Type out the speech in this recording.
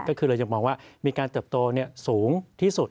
ก็คือเราจะมองว่ามีการเติบโตสูงที่สุด